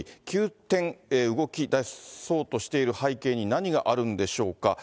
急転、動きだそうとしている背景に何があるんでしょうか。